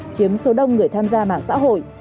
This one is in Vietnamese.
chiếm số đông người tham gia mạng xã hội